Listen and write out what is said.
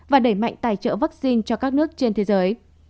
và đẩy mạnh tài trợ vaccine cho các nước trên thế giới